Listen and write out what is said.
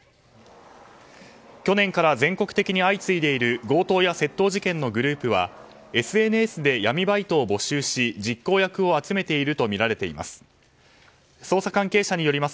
去年から全国的に相次いでいる強盗や窃盗事件のグループはＳＮＳで闇バイトを募集し実行役を集めているとみられています。